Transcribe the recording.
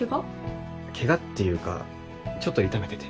ケガっていうかちょっと痛めてて。